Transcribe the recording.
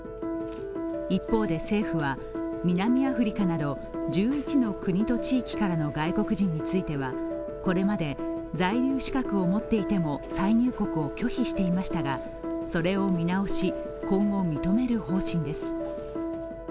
一方で政府は、南アフリカなど１１の国と地域からの外国人についてはこれまで在留資格を持っていても再入国を拒否していましたがそれを見直し、今後認める方針です。